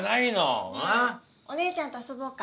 ねえおねえちゃんと遊ぼうか。